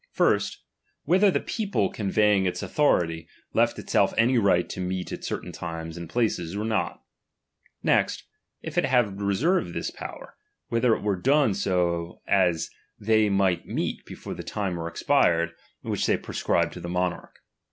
First, whether the people convey ing its authority, left itself any right to meet at certain times and places, or not. Next, if it have reserved this power, whether it were done so as they might meet before that time were expired, which they prescribed to the monarch.